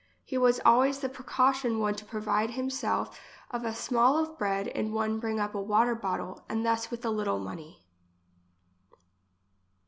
He was al ways the precaution one to provide him self of a small of bread and one bring up a water bot tle, and thus with a little money.